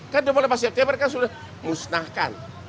kan dua puluh delapan september kan sudah musnahkan